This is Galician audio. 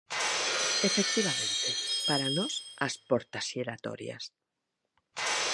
Efectivamente, para nós as portas xiratorias.